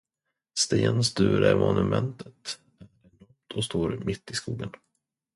Sten Sturemonumentet är enormt och står mitt i skogen.